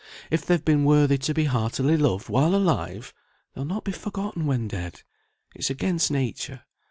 If they've been worthy to be heartily loved while alive, they'll not be forgotten when dead; it's against nature.